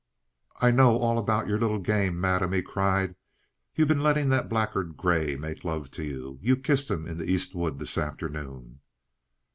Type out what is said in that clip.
"I know all about your little game, madam!" he cried. "You've been letting that blackguard Grey make love to you! You kissed him in the East wood this afternoon!"